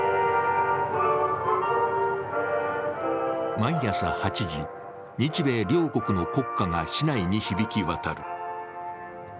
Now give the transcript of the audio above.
毎朝８時、日米両国の国歌が市内に響き渡る。